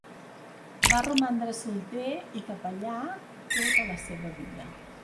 Va romandre solter i capellà tota la seva vida.